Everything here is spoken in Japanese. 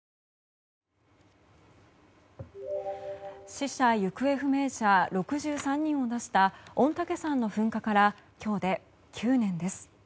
死者・行方不明者６３人を出した御嶽山の噴火から今日で９年です。